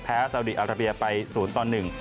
แพ้ซาอุดีอาราเบียไป๐ตอน๑